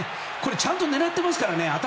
ちゃんと狙ってますからね。